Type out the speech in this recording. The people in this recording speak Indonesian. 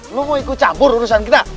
lu mau ikut campur urusan kita